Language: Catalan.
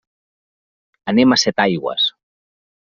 Anem a Setaigües.